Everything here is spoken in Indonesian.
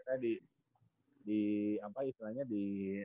tadi di apa istilahnya di